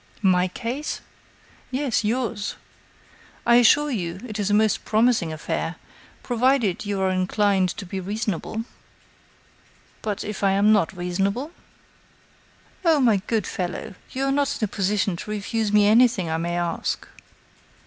"My case?" "Yes, yours. I assure you it is a most promising affair, provided you are inclined to be reasonable." "But if I am not reasonable?" "Oh! my good fellow, you are not in a position to refuse me anything I may ask."